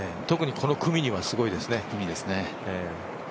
特にこの組にはすごいですね。